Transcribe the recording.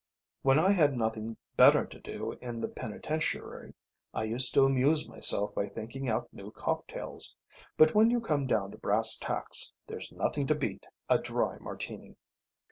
When I had nothing better to do in the penitentiary I used to amuse myself by thinking out new cocktails, but when you come down to brass tacks there's nothing to beat a dry Martini."